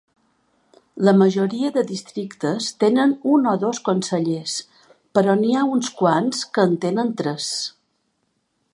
La majoria de districtes tenen un o dos consellers, però n'hi ha uns quants que en tenen tres.